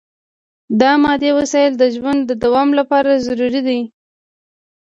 دا مادي وسایل د ژوند د دوام لپاره ضروري دي.